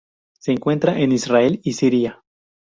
Se encuentra en Israel y Siria.